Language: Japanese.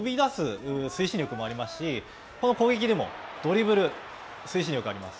そこから飛び出す推進力もありますし、この攻撃でも、ドリブル、推進力があります。